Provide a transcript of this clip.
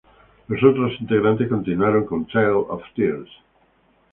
Los otros integrantes continuaron con Trail of Tears.